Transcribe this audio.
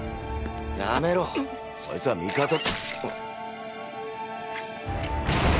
やめろそいつは味方っ！